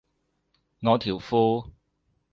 我條褲